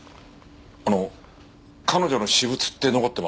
あの彼女の私物って残ってますか？